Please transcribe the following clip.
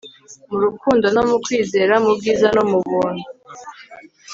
mu rukundo no mu kwizera, mu bwiza no mu buntu